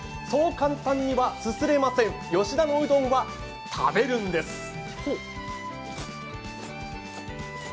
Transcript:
そう簡単にはすすれません、吉田のうどんは食べるんです。